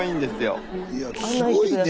いやすごいね。